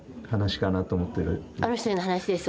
あの人への話です